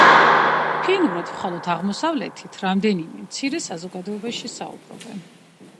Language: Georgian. ფინურად მხოლოდ აღმოსავლეთით რამდენიმე მცირე საზოგადოებაში საუბრობენ.